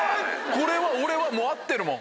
これは俺はもう合ってるもん。